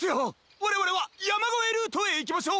われわれはやまごえルートへいきましょう！